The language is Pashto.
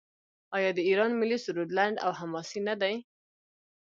آیا د ایران ملي سرود لنډ او حماسي نه دی؟